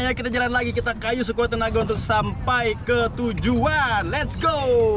ayo kita jalan lagi kita kayuh sekuat tenaga untuk sampai ke tujuan let's go